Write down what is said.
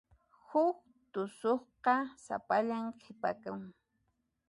Huk tusuqqa sapallan qhipakapun.